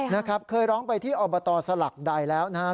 เราก็ร้องไปที่อบาตรสลักใดแล้วนะฮะ